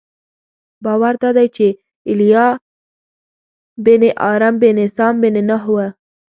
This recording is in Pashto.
باور دادی چې ایلیا بن ارم بن سام بن نوح و.